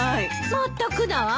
まったくだわ。